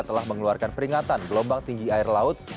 telah mengeluarkan peringatan gelombang tinggi air laut